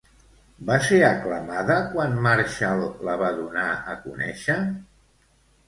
Va ser aclamada quan Marshall la va donar a conèixer?